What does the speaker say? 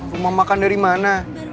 rumah makan dari mana